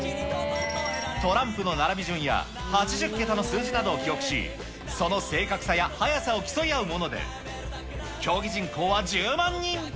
トランプの並び順や、８０桁の数字などを記憶し、その正確さや速さを競い合うもので、競技人口は１０万人。